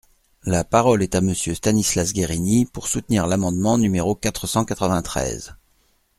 La parole est à Monsieur Stanislas Guerini, pour soutenir l’amendement numéro quatre cent quatre-vingt-treize.